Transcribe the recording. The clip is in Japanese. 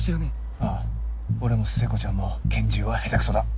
ああ俺も聖子ちゃんも拳銃は下手クソだ。